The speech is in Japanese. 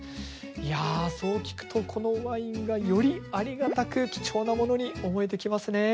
いやそう聞くとこのワインがよりありがたく貴重なものに思えてきますね。